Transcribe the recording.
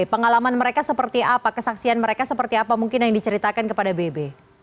pengalaman mereka seperti apa kesaksian mereka seperti apa mungkin yang diceritakan kepada bebe